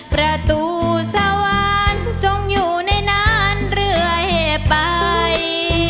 ประตูสวรรค์จงอยู่ในนั้นเรื่อยไป